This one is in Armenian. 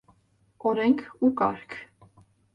Օրենք ու կարգ։